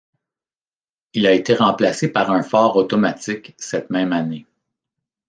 Il a été remplacé par un phare automatique cette même année.